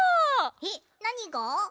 えっなにが？